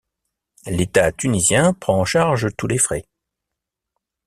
L'État tunisien prend en charge tous les frais.